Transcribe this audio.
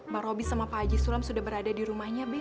mba robi sama pak haji sulam sudah berada di rumahnya be